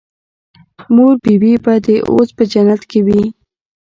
مور بي بي به دې اوس په جنت کښې وي.